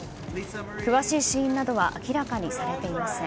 詳しい死因などは明らかにされていません。